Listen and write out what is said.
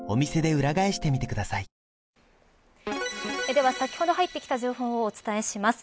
では先ほど入ってきた情報をお伝えします。